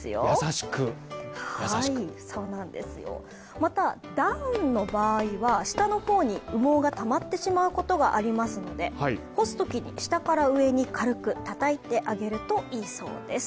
また、ダウンの場合は下の方に羽毛がたまってしまうことがありますので、干すときに下から上に軽くたたいてあげるといいそうです。